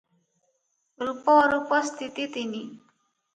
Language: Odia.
ରୂପ ଅରୂପ ସ୍ଥିତି ତିନି ।